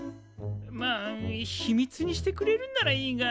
まあ秘密にしてくれるんならいいが。